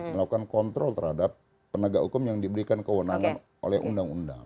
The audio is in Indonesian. melakukan kontrol terhadap penegak hukum yang diberikan kewenangan oleh undang undang